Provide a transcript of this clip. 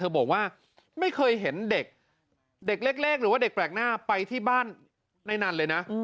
บอกว่าไม่เคยเห็นเด็กเด็กเล็กหรือว่าเด็กแปลกหน้าไปที่บ้านในนั้นเลยนะ